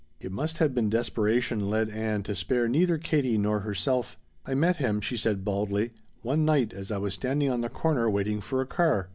It must have been desperation led Ann to spare neither Katie nor herself. "I met him," she said baldly, "one night as I was standing on the corner waiting for a car.